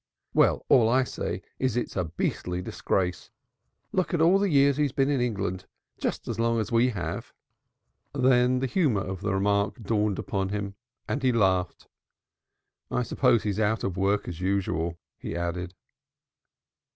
"Well, all I say is it's a beastly disgrace. Look at the years he's been in England just as long as we have." Then the humor of the remark dawned upon him and he laughed. "I suppose he's out of work, as usual," he added.